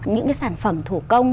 những sản phẩm thủ công